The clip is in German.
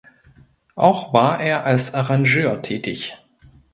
Auch war er als Arrangeur tätig.